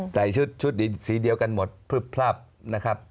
ใส่ชุดสีเดียวกันหมดพลึบพลับนะครับ